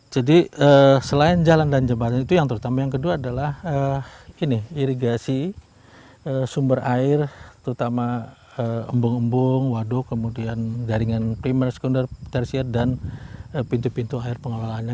jadi selain jalan dan jembatan itu yang terutama yang kedua adalah ini irigasi sumber air terutama embung embung waduk kemudian jaringan primer sekunder tersier dan pintu pintu air pengelolaannya